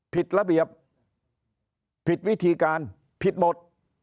ผิดระเบียบผิดวิธีการผิดหมด